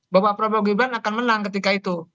bapak prabowo gibran akan menang ketika itu